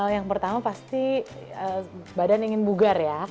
yang pertama pasti badan ingin bugar ya